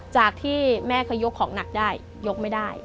จากที่แม่เคยยกของหนักได้ยกไม่ได้